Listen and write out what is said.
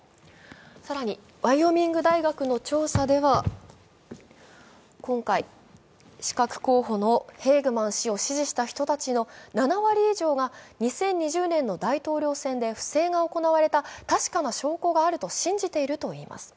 更に、ワイオミング大学の調査では今回、刺客候補のヘイグマン氏を支持した人たちの７割以上が２０２０年の大統領選で不正が行われた確かな証拠があると信じているといいます。